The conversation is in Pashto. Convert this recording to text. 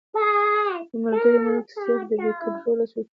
يو ملکري ملک سياف د بې کنټروله سوچونو